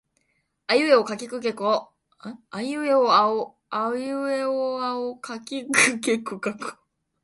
あえいうえおあおかけきくけこかこ